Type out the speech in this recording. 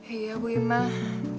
iya bu imah